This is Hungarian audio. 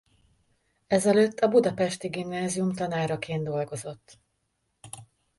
Ezelőtt a budapesti gimnázium tanáraként dolgozott.